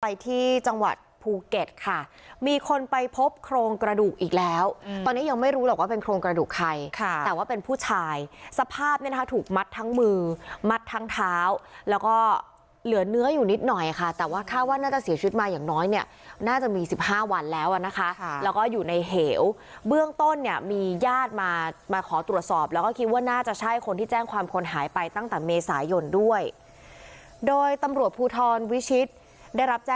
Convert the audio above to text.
ไปที่จังหวัดภูเก็ตค่ะมีคนไปพบโครงกระดูกอีกแล้วตอนนี้ยังไม่รู้หรอกว่าเป็นโครงกระดูกใครค่ะแต่ว่าเป็นผู้ชายสภาพเนี่ยถูกมัดทั้งมือมัดทั้งเท้าแล้วก็เหลือเนื้ออยู่นิดหน่อยค่ะแต่ว่าถ้าว่าน่าจะเสียชุดมาอย่างน้อยเนี่ยน่าจะมีสิบห้าวันแล้วอ่ะนะคะค่ะแล้วก็อยู่ในเหี่ยวเบื้องต้นเนี่ยมีญ